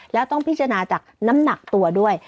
แล้วต้องพิจารณาจากน้ำหนักตัวด้วย